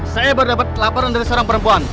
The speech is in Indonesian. saya baru dapat laporan dari seorang perempuan